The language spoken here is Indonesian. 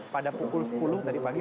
pada pukul sepuluh tadi pagi